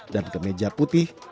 dan kemeja putih